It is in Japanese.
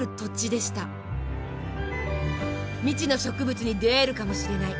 未知の植物に出会えるかもしれない。